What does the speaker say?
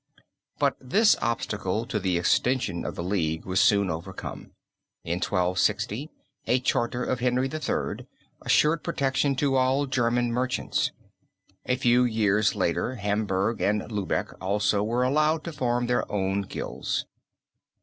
But this obstacle to the extension of the League was soon overcome. In 1260 a charter of Henry III. assured protection to all German merchants. A few years later Hamburg and Lübeck also were allowed to form their own guilds.